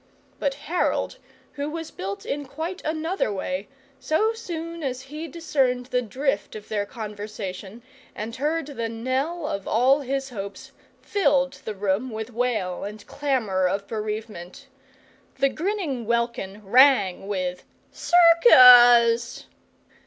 But Harold, who was built in quite another way, so soon as he discerned the drift of their conversation and heard the knell of all his hopes, filled the room with wail and clamour of bereavement. The grinning welkin rang with "Circus!"